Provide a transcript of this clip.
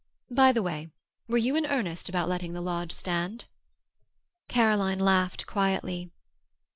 By the way, were you in earnest about letting the lodge stand?" Caroline laughed quietly.